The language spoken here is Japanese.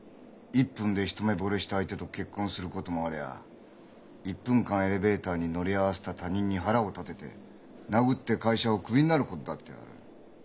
１分で一目ぼれした相手と結婚することもありゃ１分間エレベーターに乗り合わせた他人に腹を立てて殴って会社をクビになることだってある。